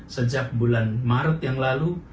sejak bulan maret yang lalu